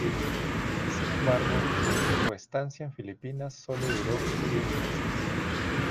Sin embargo su estancia en Filipinas solo duró unos meses.